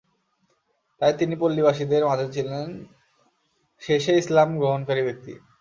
তাই তিনিই পল্লীবাসীদের মাঝে ছিলেন শেষে ইসলাম গ্রহণকারী ব্যক্তি।